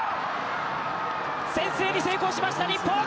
先制に成功しました日本！